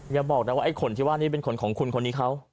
อย่าบอกนะว่าไอ้ขนที่ว่านี่เป็นขนของคุณคนนี้เขา